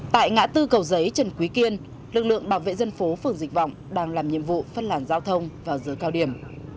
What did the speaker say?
tại ngã tư cầu giấy trần quý kiên lực lượng bảo vệ dân phố phường dịch vọng đang làm nhiệm vụ phân làn giao thông vào giờ cao điểm